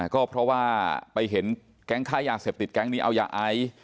ก็เพราะว่าไปเห็นแก๊งค้ายาเสพติดแก๊งนี้เอายาไอ